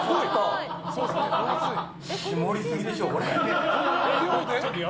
霜降りすぎでしょ、これ。